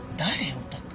おたく。